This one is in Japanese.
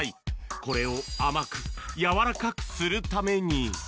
これを甘く柔らかくするために。